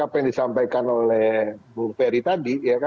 apa yang disampaikan oleh bung ferry tadi